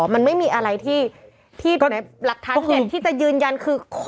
มันไม่มีอะไรที่หลักฐานเด็ดที่จะยืนยันคือ